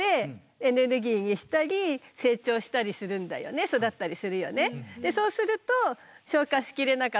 育ったりするよね。